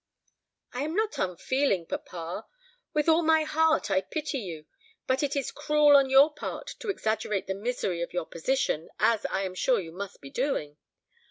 "I am not unfeeling, papa. With all my heart I pity you; but it is cruel on your part to exaggerate the misery of your position, as I am sure you must be doing.